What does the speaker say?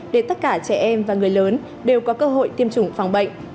để tất cả trẻ em và người lớn đều có cơ hội tiêm chủng phòng bệnh